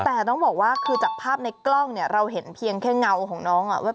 แต่ต้องบอกว่าคือจากภาพในกล้องเนี่ยเราเห็นเพียงแค่เงาของน้อง